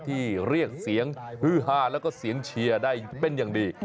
ที่เรียกเสียงฮือฮาแล้วก็เสียงเชียร์ได้เป็นอย่างดี